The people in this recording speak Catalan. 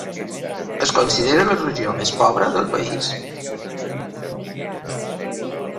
Es considera la regió més pobra del país.